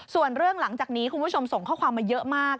ส่วนเรื่องหลังจากนี้คุณผู้ชมส่งข้อความมาเยอะมาก